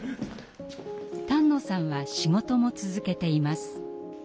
丹野さんは仕事も続けています。